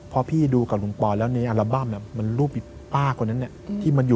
พ่อพี่ดูกับหลวงปอนด์แล้วในอัลบั้มบอกมันรูปแบบป้าคนนั้นเนี่ย